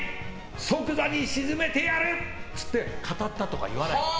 即座に沈めてやるって言って語ったとか言わない。